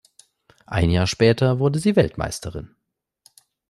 Ein Jahr später wurde sie Weltmeisterin.